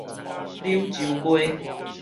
柳州街